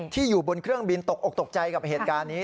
อยู่บนเครื่องบินตกอกตกใจกับเหตุการณ์นี้